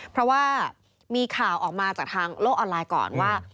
เพราะว่ามีข่าวออกมาจากทางโลกออนไลน์ก่อนว่า